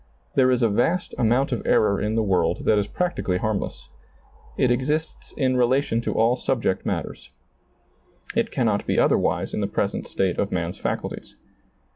There is a vast amount of error in the world that is practically harmless. It exists in relation to all subject matters. It cannot be otherwise in the present state of man's faculties.